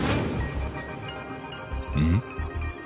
うん？